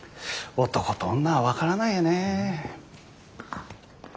男と女は分からないよねえ。